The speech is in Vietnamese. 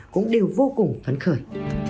cũng đều vô cùng phấn khởi